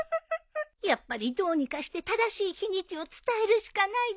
やっぱりどうにかして正しい日にちを伝えるしかないですよ。